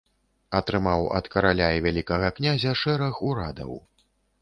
Атрымаў ад караля і вялікага князя шэраг урадаў.